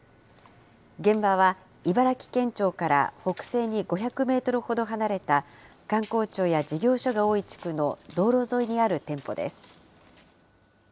現場は茨城県庁から北西に５００メートルほど離れた、官公庁や事業所が多い地区の道路沿いにある店舗です。